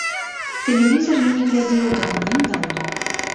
Тэлевізар я не глядзеў даўным-даўно.